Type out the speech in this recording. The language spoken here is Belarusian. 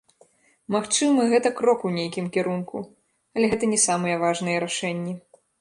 Магчыма, гэта крок у гэтым кірунку, але гэта не самыя важныя рашэнні.